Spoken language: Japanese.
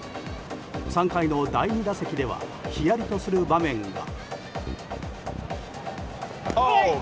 ３回の第２打席ではヒヤリとする場面が。